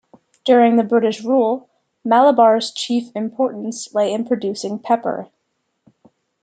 During the British rule, Malabar's chief importance lay in producing pepper.